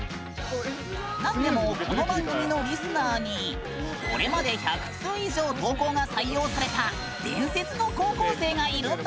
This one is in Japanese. なんでも、この番組のリスナーにこれまで１００通以上投稿が採用された伝説の高校生がいるんだって。